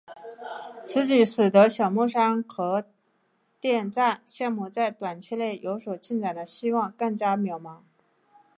此举使得小墨山核电站项目在短期内有所进展的希望更加渺茫。